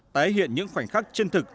tái hiện những khoảnh khắc chân thực